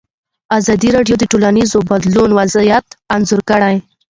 ازادي راډیو د ټولنیز بدلون وضعیت انځور کړی.